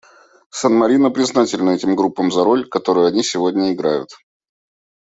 СанМарино признательно этим группам за роль, которую они сегодня играют.